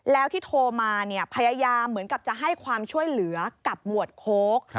แล้วที่โทรมาพยายามเหมือนกับจะให้ความช่วยเหลือกับหมวดโค้ก